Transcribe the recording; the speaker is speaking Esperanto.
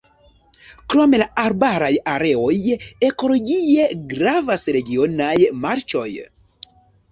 Krom la arbaraj areoj ekologie gravas regionaj marĉoj.